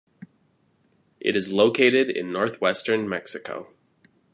It is located in Northwestern Mexico.